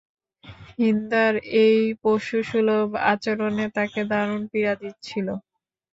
হিন্দার এই পশুসুলভ আচরণে তাকে দারুণ পীড়া দিচ্ছিল।